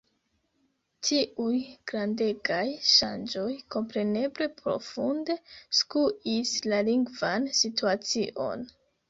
Tiuj grandegaj ŝanĝoj kompreneble profunde skuis la lingvan situacion.